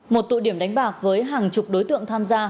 một tụ điểm đánh bạc với hàng chục đối tượng tham gia